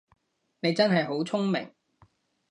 你真係好聰明